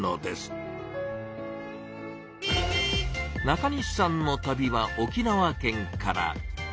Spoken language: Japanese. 中西さんの旅は沖縄県から。